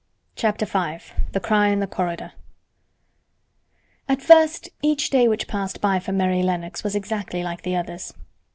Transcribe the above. CHAPTER V THE CRY IN THE CORRIDOR At first each day which passed by for Mary Lennox was exactly like the others.